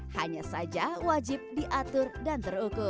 hanya saja wajib diatur dan terukur